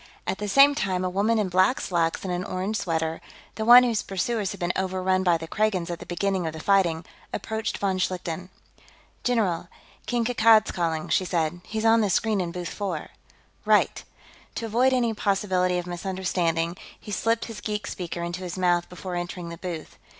At the same time, a woman in black slacks and an orange sweater the one whose pursuers had been overrun by the Kragans at the beginning of the fighting approached von Schlichten. "General, King Kankad's calling," she said. "He's on the screen in booth four." "Right." To avoid any possibility of misunderstanding, he slipped his geek speaker into his mouth before entering the booth.